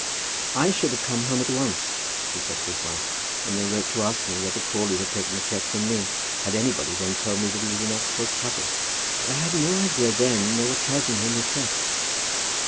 "I should have come at once," he said to his wife, "when they wrote to ask me whether Crawley had taken the cheque from me, had anybody then told me that he was in actual trouble; but I had no idea then that they were charging him with theft."